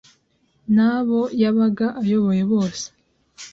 n’abo yabaga ayoboye bose